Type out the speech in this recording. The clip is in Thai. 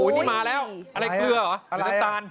โอ้โหนี่มาแล้วอะไรเกลือหรือน้ำตาล